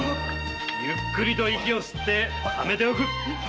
ゆっくりと息を吸ってためておく！